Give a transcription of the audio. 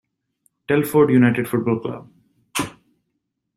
Telford United football club.